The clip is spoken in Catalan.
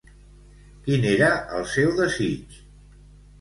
Quin era el seu desig?